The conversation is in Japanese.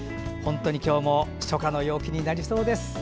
本当に今日も初夏の陽気になりそうです。